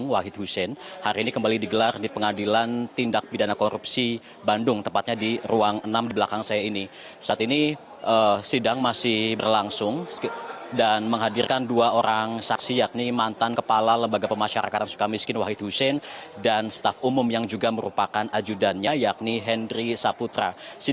wai tusein wai tusein dan staf umum yang juga merupakan ajudannya yakni hendry saputra